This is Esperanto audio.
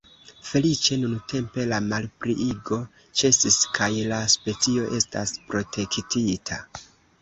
Feliĉe nuntempe la malpliigo ĉesis kaj la specio estas protektita.